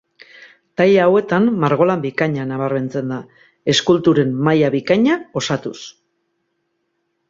Taila hauetan margolan bikaina nabarmentzen da, eskulturen maila bikaina osatuz.